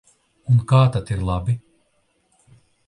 Un kā tad ir labi?